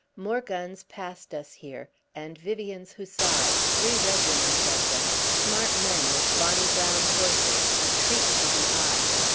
More guns passed us here, and Vivian's Hussars, three regiments of them, smart men with bonny brown horses, a treat to the eye.